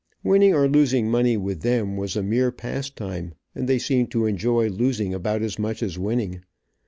Winning or losing money with them was a mere pastime, and they seemed to enjoy losing about as much as winning.